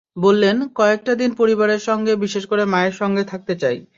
বললেন, কয়টা দিন পরিবারের সঙ্গে, বিশেষ করে মায়ের সঙ্গে থাকতে চাই।